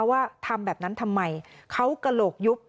ว่าทำแบบนั้นทำไมเขากระโหลกยุบ